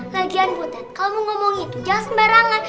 lagian buten kalau mau ngomong itu jangan sembarangan